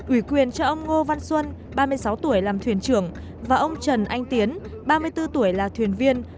ủy quyền cho ông ngô văn xuân ba mươi sáu tuổi làm thuyền trưởng và ông trần anh tiến ba mươi bốn tuổi là thuyền viên